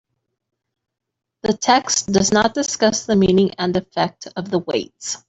The text does not discuss the meaning and effect of the weights.